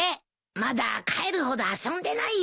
まだ帰るほど遊んでないよ。